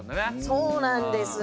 そうなんです。